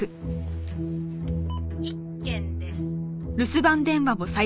「１件です」